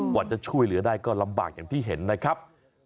กว่าจะช่วยเหลือได้ก็ลำบากอย่างที่เห็นนะครับ